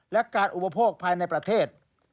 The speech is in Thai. และการอุปโภคภายในประเทศ